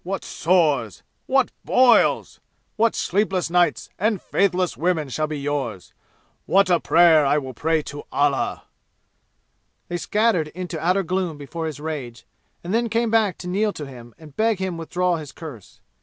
What sores! What boils! What sleepless nights and faithless women shall be yours! What a prayer I will pray to Allah!" They scattered into outer gloom before his rage, and then came back to kneel to him and beg him withdraw his curse.